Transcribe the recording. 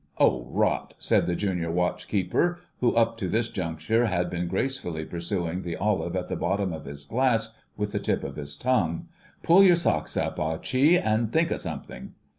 "Oh, rot!" said the Junior Watch keeper, who up to this juncture had been gracefully pursuing the olive at the bottom of his glass with the tip of his tongue. "Pull your socks up, Ah Chee, an' think of something."